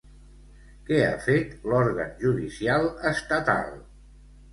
Què ha fet l'òrgan judicial estatal?